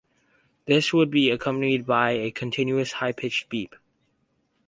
This would be accompanied by a continuous high pitched beep.